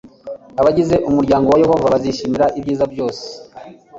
Abagize umuryango wa Yehova bazishimira ibyiza byose